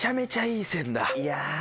いや。